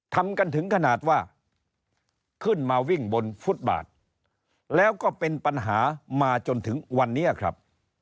ทำกันถึงขนาดว่าขึ้นมาวิ่งบนฟุตบาทแล้วก็เป็นปัญหามาจนถึงวันนี้ครับ